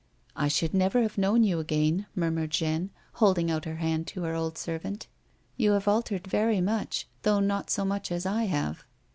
" I should never have known you again," murmured Jeanne, holding out her hand to her old servant. " You have altered very much, though not so much as I have."